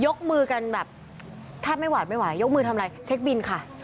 มือกันแบบแทบไม่หวาดไม่ไหวยกมือทำอะไรเช็คบินค่ะ